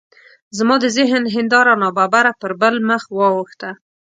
زما د ذهن هنداره ناببره پر بل مخ واوښته.